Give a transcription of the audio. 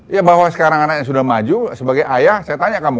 ya bahwa sekarang anaknya sudah maju sebagai ayah saya tanya kamu